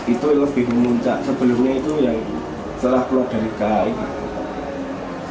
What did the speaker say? itu lebih memuncak sebelumnya itu yang telah keluar dari kakak